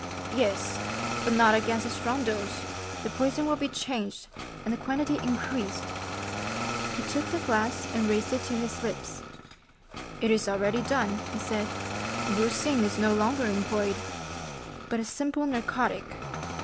"Yes, but not against a strong dose; the poison will be changed, and the quantity increased." He took the glass and raised it to his lips. "It is already done," he said; "brucine is no longer employed, but a simple narcotic!